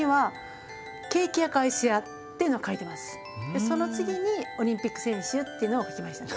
でその次にオリンピック選手っていうのを書きました。